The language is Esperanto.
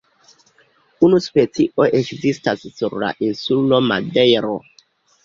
Unu specio ekzistas sur la insulo Madejro.